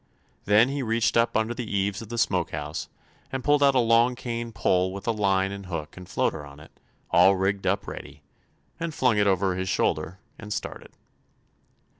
Then he reached up under the eaves of the smoke house and pulled out a long cane pole with a line and hook and floater on it, all rigged up ready, and flung it over his shoulder and started.